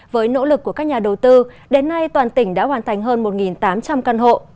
với nỗ lực của các nhà đầu tư đến nay toàn tỉnh đã hoàn thành hơn một tám trăm linh căn hộ